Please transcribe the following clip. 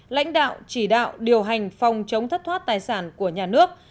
lãnh đạo chỉ đạo điều hành phòng chống thất thoát tài sản của nhà nước